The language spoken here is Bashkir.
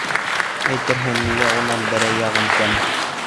Әйтерһең, минең унан берәй яғым кәм.